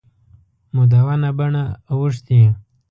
مدونه بڼه وښتي.